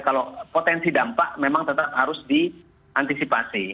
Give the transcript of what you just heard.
kalau potensi dampak memang tetap harus diantisipasi